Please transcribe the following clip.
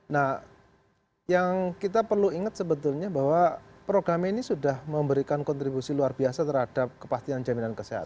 nah yang kita perlu ingat sebetulnya bahwa program ini sudah memberikan kontribusi luar biasa terhadap kepastian jaminan kesehatan